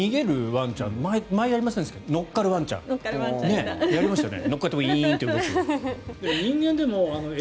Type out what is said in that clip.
ワンちゃん前やりましたけど乗っかるワンちゃんやりましたよね。